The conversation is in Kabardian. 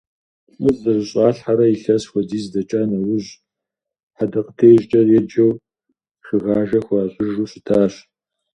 ЛӀыр зэрыщӀалъхьэрэ илъэс хуэдиз дэкӀа нэужь, хьэдэкъытежкӀэ еджэу шыгъажэ хуащӀыжу щытащ.